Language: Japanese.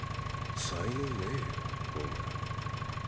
才能ねえよお前。